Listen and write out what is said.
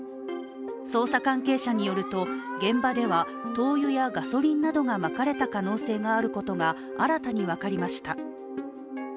捜査関係者によると現場では灯油やガソリンなどがまかれた可能性があることが新たに分かりました。